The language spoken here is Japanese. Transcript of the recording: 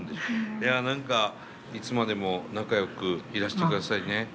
いや何かいつまでも仲よくいらしてくださいね。